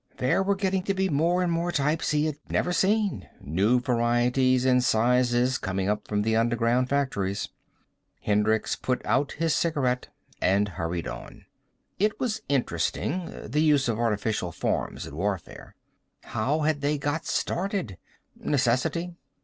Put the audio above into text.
There were getting to be more and more types he had never seen, new varieties and sizes coming up from the underground factories. Hendricks put out his cigarette and hurried on. It was interesting, the use of artificial forms in warfare. How had they got started? Necessity.